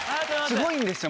すごいんですよ